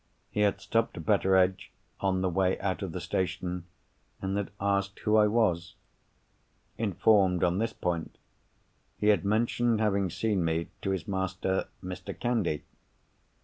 He had stopped Betteredge on the way out of the station, and had asked who I was. Informed on this point, he had mentioned having seen me to his master Mr. Candy. Mr.